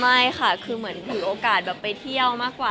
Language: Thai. ไม่ค่ะคือเหมือนถือโอกาสแบบไปเที่ยวมากกว่า